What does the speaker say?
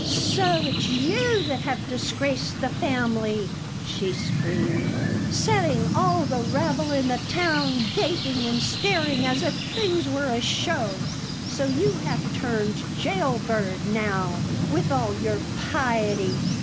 "So it's you that have disgraced the family!" she screamed; "setting all the rabble in the town gaping and staring as if the thing were a show? So you have turned jail bird, now, with all your piety!